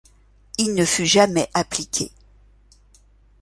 Il ne fut jamais appliqué.